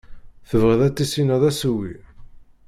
Tebɣiḍ ad tissineḍ asewwi.